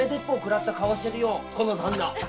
この旦那。